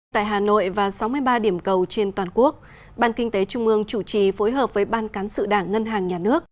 tại hà nội và sáu mươi ba điểm cầu trên toàn quốc ban kinh tế trung ương chủ trì phối hợp với ban cán sự đảng ngân hàng nhà nước